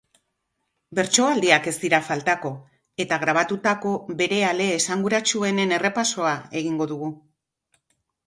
Bertsoaldiak ez dira faltako, eta grabatutako bere ale esanguratsuenen errepasoa egingo dugu.